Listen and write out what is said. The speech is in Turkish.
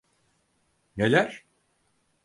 Neler?